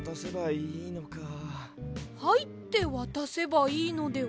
「はい」ってわたせばいいのでは？